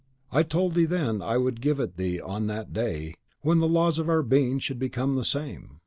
I told thee then I would give it thee on that day WHEN THE LAWS OF OUR BEING SHOULD BECOME THE SAME."